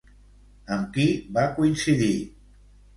Amb qui va coincidir?